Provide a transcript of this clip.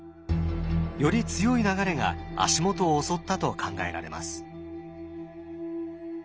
より強い流れが足元を襲ったと考えられます。